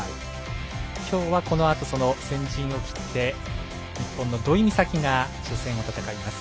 きょうはこのあと先陣を切って日本の土居美咲が初戦を戦います。